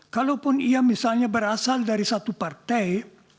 kalaupun ia misalnya berasal dari satu partai